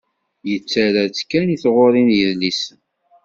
Yettarra-tt kan i tɣuri n yidlisen.